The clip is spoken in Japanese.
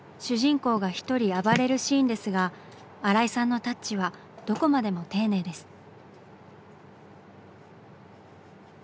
主人公が一人暴れるシーンですが新井さんのタッチはどこまでも丁寧です。